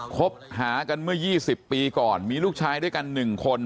คบหากันเมื่อ๒๐ปีก่อนมีลูกชายด้วยกัน๑คน